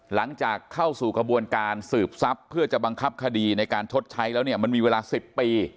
หลังจากเข้าสู่กระบวนการสืบทรัพย์เพื่อจะบังคับคดีในการชดใช้แล้วเนี่ยมันมีเวลา๑๐ปี